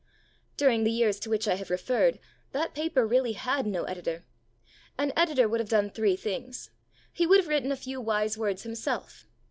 During the years to which I have referred, that paper really had no editor. An editor would have done three things. He would have written a few wise words himself.